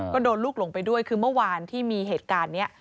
ก็โดนลูกหลงไปด้วยคือเมื่อวานที่มีเหตุการณ์นี้